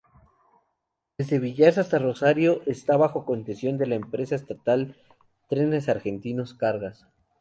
Desde Villars hasta Rosario está bajo concesión de la empresa estatal Trenes Argentinos Cargas.